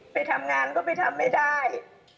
ไปทำงานก็ไปทำไม่ได้